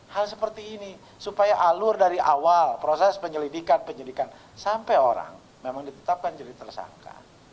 hal seperti ini supaya alur dari awal proses penyelidikan penyelidikan sampai orang memang ditetapkan jadi tersangka